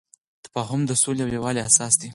تفاهم د سولې او یووالي اساس دی.